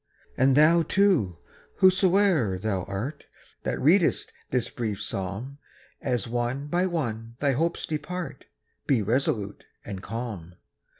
And thou, too, whosoe'er thou art, That readest this brief psalm, As one by one thy hopes depart, Be resolute and calm.